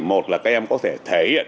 một là các em có thể thể hiện